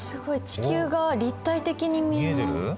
地球が立体的に見えます。